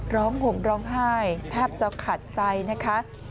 ร้องห่วงร้องไห้แทบจะขาดใจนะคะ